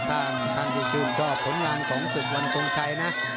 ท่านที่ชื่นชอบผลงานของศึกวันทรงชัยนะ